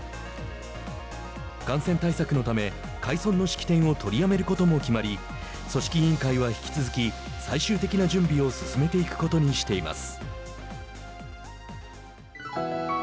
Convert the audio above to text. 感染対策のため開村の式典を取りやめることも決まり組織委員会は引き続き最終的な準備を進めていくことにしています。